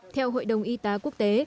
theo hội đồng y tá quốc tế